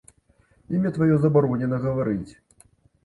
Імя тваё забаронена гаварыць.